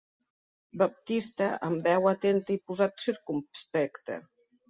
Baptista amb veu atenta i posat circumspecte.